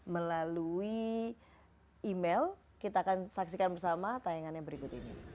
melalui email kita akan saksikan bersama tayangannya berikut ini